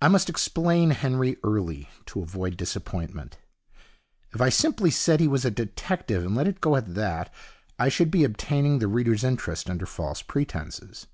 I must explain Henry early, to avoid disappointment. If I simply said he was a detective, and let it go at that, I should be obtaining the reader's interest under false pretences.